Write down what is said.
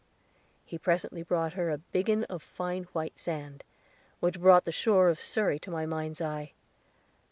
He presently brought her a biggin of fine white sand, which brought the shore of Surrey to my mind's eye.